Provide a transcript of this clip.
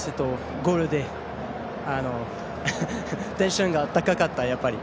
ゴールでテンションが高かった。